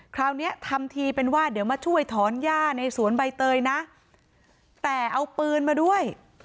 คราวนี้ทำทีเป็นว่าเดี๋ยวมาช่วยถอนย่าในสวนใบเตยนะแต่เอาปืนมาด้วย